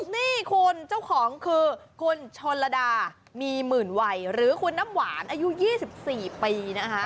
นี่คุณเจ้าของคือคุณชนระดามีหมื่นวัยหรือคุณน้ำหวานอายุ๒๔ปีนะคะ